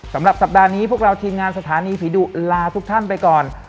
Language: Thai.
สำหรับสัปดาห์นี้พวกเราทีมงานสถานีผีดุลาทุกท่านไปก่อน